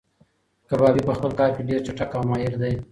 کبابي په خپل کار کې ډېر چټک او ماهیر دی.